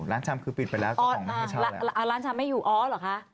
ร้านชำคือปิดไปแล้วร้านชำไม่อยู่อ๋อเหรอคะ